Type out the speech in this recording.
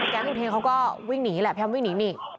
อุเทนเขาก็วิ่งหนีแหละพยายามวิ่งหนีนี่